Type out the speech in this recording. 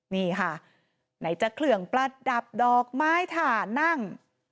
นี่ค่ะไหนจะเครื่องประดับดอกไม้ถ่านั่ง